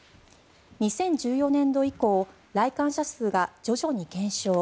２０１４年度以降来館者数が徐々に減少。